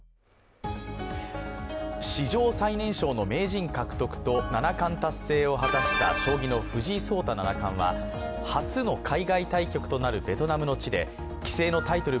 史上最年少の名人獲得と七冠達成を果たした将棋の藤井聡太七冠は初の海外対局となるベトナムの地で棋聖のタイトル